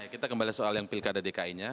kita kembali soal yang pilkada dki nya